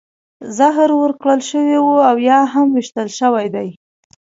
زهر ورکړل شوي او یا هم ویشتل شوي دي